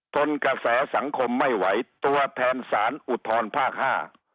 ทนกระแสสังคมไม่ไหวตัวแทนสารอุทธรภาคห้า